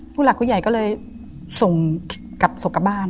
ผู้หลักผู้ใหญ่ก็เลยส่งกลับศพกลับบ้าน